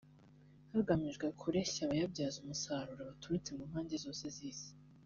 hagamijwe kureshya abayabyaza umusaruro baturutse mu mpande zose z’isi